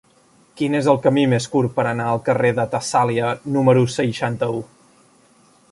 Quin és el camí més curt per anar al carrer de Tessàlia número seixanta-u?